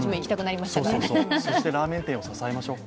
そしてラーメン店を支えましょう。